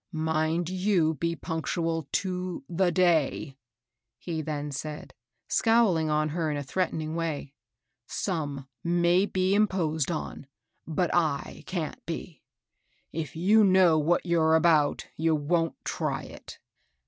" Mind you be punctual to the day," he then said, scowling on her in a threatening way. " Some may be imposed on, but Z can't be. If you know what you're about, you wont try it.